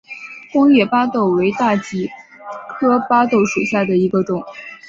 光叶巴豆为大戟科巴豆属下的一个种。